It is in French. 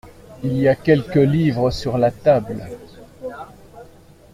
Il y a quelques livres sur la table.